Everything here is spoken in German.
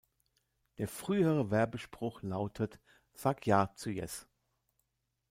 Der frühere Werbespruch lautet: "Sag ja zu Yes.